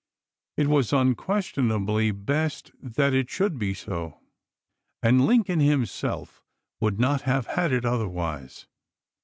It was unquestion ably best that it should be so ; and Lincoln him self would not have had it otherwise.